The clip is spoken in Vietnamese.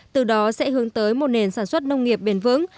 từ đó sẽ hướng tới một nền sản xuất nông nghiệp bền vững